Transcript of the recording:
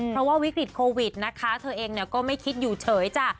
เพราะว่าวิกฤตโควิดนะคะเธอเองก็ไม่คิดอยู่เฉยจ้ะ